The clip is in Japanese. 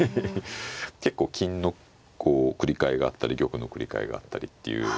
結構金のこう繰り替えがあったり玉の繰り替えがあったりっていう